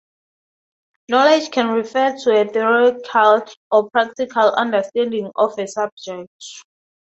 Knowledge can refer to a theoretical or practical understanding of a subject.